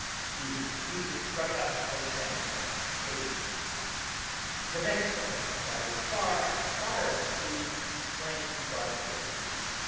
The music struck up just then and saved me. The next moment I was far, far at sea in the plain quadrille.